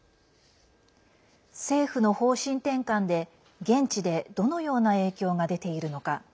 政府の方針転換で、現地でどのような影響が出ているのか。